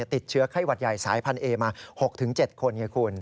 ติดเชื้อไข้หวัดใหญ่สายพันเอมา๖๗คนไงคุณ